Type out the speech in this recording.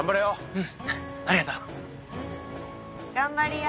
うんありがとう。頑張りや。